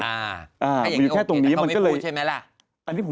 อ่าอยู่แค่ตรงนี้มันก็เลยแต่เขาไม่พูดใช่ไหมล่ะ